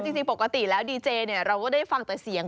จริงปกติแล้วดีเจเนี่ยเราก็ได้ฟังแต่เสียง